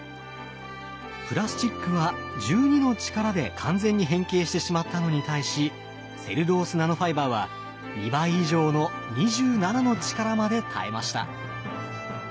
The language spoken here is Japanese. プラスチックは１２の力で完全に変形してしまったのに対しセルロースナノファイバーは２倍以上の２７の力まで耐えました。